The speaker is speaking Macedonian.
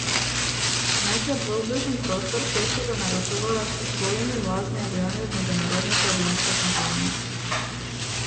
Нашиот воздушен простор често го нарушуваат големи млазни авиони од меѓународните авионски компании.